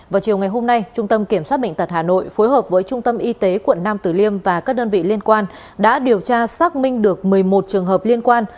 vào chiều ngày hôm nay trung tâm kiểm soát bệnh tật hà nội phối hợp với trung tâm y tế quận nam tử liêm và các đơn vị liên quan đã điều tra xác minh được một mươi một trường hợp liên quan